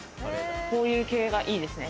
こういう系がいいですね。